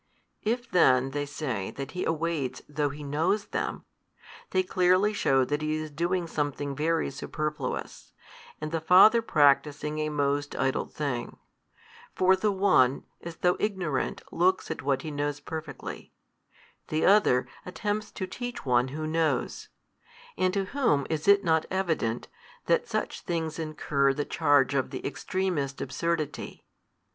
If then they say that He awaits though He knows them, they clearly shew that He is doing something very superfluous, and the Father practising a most idle thing: for the One, as though ignorant looks at what He knows perfectly, the Other attempts to teach One Who knows: and to whom is it not evident, that such things incur the charge of the extremest absurdity?